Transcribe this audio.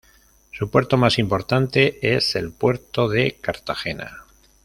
Su puerto más importante es el Puerto de Cartagena.